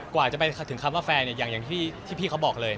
กว่าจะไปถึงคำว่าแฟนเนี่ยอย่างที่พี่เขาบอกเลย